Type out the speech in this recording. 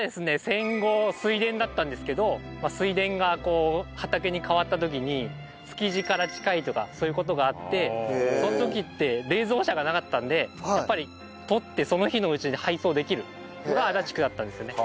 戦後水田だったんですけど水田が畑に変わった時に築地から近いとかそういう事があってその時って冷蔵車がなかったのでやっぱりとってその日のうちに配送できるのが足立区だったんですよね。